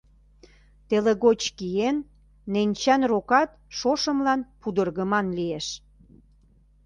Телыгоч киен, ненчан рокат шошымлан пудыргыман лиеш.